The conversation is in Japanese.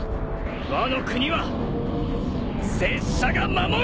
ワノ国は拙者が守る！